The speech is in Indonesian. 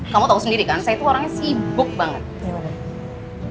kamu tahu sendiri kan saya tuh orangnya sibuk banget